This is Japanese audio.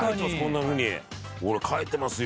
俺書いてますよ。